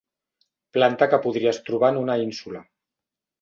Planta que podries trobar en una ínsula.